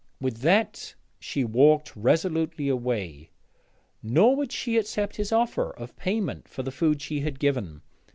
With that she walked resolutely away, nor would she accept his offer of payment for the food she had given.